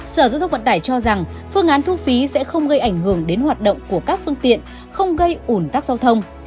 sở giao thông vận tải cho rằng phương án thu phí sẽ không gây ảnh hưởng đến hoạt động của các phương tiện không gây ủn tắc giao thông